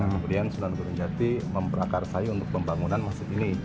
kemudian sunan gunung jati memperakarsai untuk pembangunan masjid ini